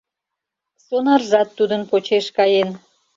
Сонарзат тудын почеш каен.